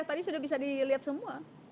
tadi sudah bisa dilihat semua